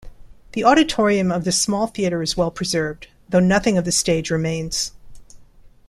The auditorium of the small theatre is well-preserved, though nothing of the stage remains.